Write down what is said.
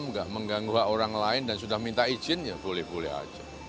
tidak mengganggu orang lain dan sudah minta izin ya boleh boleh saja